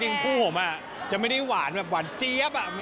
คู่ผมจะไม่ได้หวานแบบหวานเจี๊ยบ